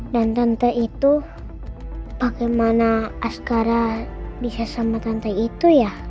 dan tante itu bagaimana askara bisa sama tante itu ya